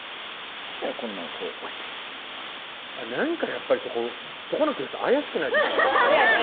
このままこう押してなんかやっぱりそこそこの教室怪しくないですか？